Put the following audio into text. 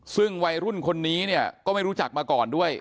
ซึ่งวัยรุ่นคนนี้เนี่ยก็ไม่รู้จักมาก่อนด้วย